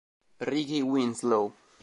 Rickie Winslow